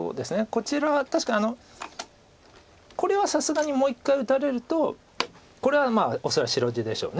こちら確かにこれはさすがにもう１回打たれるとこれは恐らく白地でしょう。